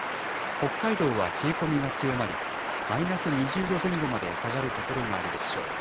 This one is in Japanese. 北海道は冷え込みが強まりマイナス２０度前後まで下がる所があるでしょう。